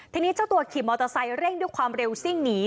ทีนี้เจ้าตัวขี่มอเตอร์ไซค์เร่งด้วยความเร็วซิ่งหนี